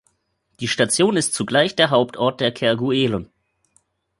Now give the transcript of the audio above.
Die Station ist zugleich Hauptort der Kerguelen.